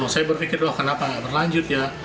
saya berpikir wah kenapa nggak berlanjut ya